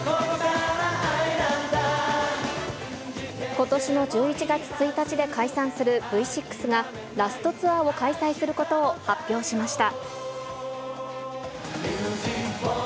ことしの１１月１日で解散するＶ６が、ラストツアーを開催することを発表しました。